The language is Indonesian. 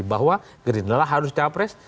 bahwa gerindala harus capres